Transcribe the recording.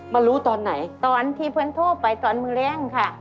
มารู้ตอนไหนตอนที่เพื่อนโทรไปตอนมือแรงค่ะ